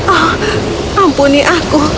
oh ampuni aku